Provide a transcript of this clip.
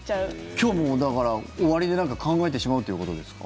今日もだから、終わりでなんか考えてしまうっていうことですか？